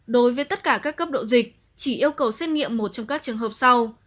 đối với tất cả các cấp độ dịch chỉ yêu cầu xét nghiệm một trong các trường hợp sau